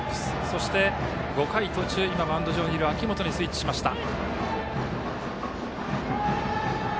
そして、５回途中今、マウンド上にいる秋本にスイッチしました。